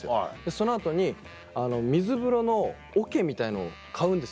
その後に水風呂の桶みたいのを買うんですよ。